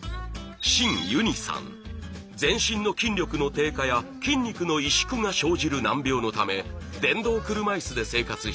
全身の筋力の低下や筋肉の萎縮が生じる難病のため電動車いすで生活しています。